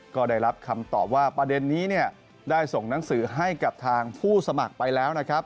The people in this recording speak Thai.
ก็ได้รับคำตอบว่าประเด็นนี้เนี่ยได้ส่งหนังสือให้กับทางผู้สมัครไปแล้วนะครับ